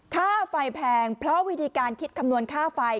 ค่าไฟแพงเพราะวิธีการคิดคำนวณค่าไฟ